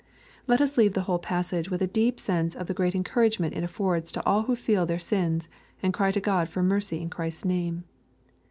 Let us leave the whole passage with a deep sense of the great encouragement it affords to all who feel their sins, and cry to God for mercy in Glhrist's name.